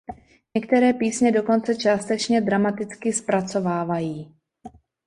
Některé písně dokonce částečně dramaticky zpracovávají.